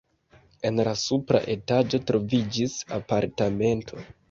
En la supra etaĝo troviĝis apartamento.